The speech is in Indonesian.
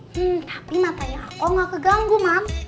hmm tapi matanya aku gak keganggu mams